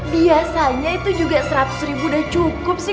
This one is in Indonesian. biasanya itu juga seratus ribu udah cukup sih